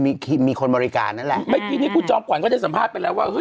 เป็นที่มีคนมริการนั้นแหละเมื่อกี้คุณจอบก่อนก็ได้สัมภาษณ์ไปแล้วว่า